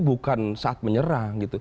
bukan saat menyerang